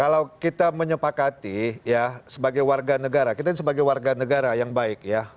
kalau kita menyepakati ya sebagai warga negara kita sebagai warga negara yang baik ya